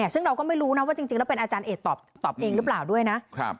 ซึ่งเราก็ไม่รู้นะว่าจริงแล้วเป็นอาจารย์เอกตอบเองหรือเปล่าด้วยนะ